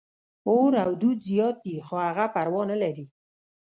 اور او دود زیات دي، خو هغه پروا نه لري.